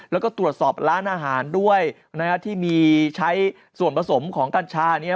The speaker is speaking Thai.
แล้วก็ตรวจสอบร้านอาหารด้วยที่มีใช้ส่วนผสมของกัญชา